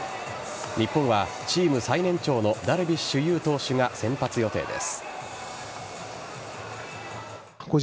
日本はチーム最年長のダルビッシュ有投手が先発予定です。